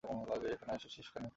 এখানে এসেছিস কেন?